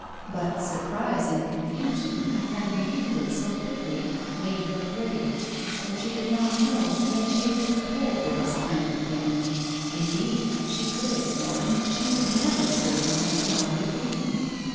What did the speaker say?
But surprise and confusion at having yielded so quickly made her grave, for she did not know that she was prepared for this kind of thing; indeed, she could have sworn that she would never serve him as a model again.